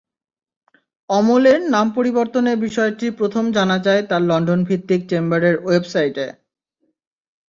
অমলের নাম পরিবর্তনের বিষয়টি প্রথম জানা যায় তাঁর লন্ডনভিত্তিক চেম্বারের ওয়েবসাইটে।